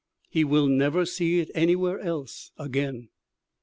He will never see it anywhere else again.